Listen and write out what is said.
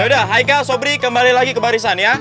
yaudah aika somri kembali lagi ke barisan ya